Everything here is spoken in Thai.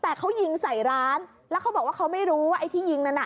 แต่เขายิงใส่ร้านแล้วเขาบอกว่าเขาไม่รู้ว่าไอ้ที่ยิงนั้นน่ะ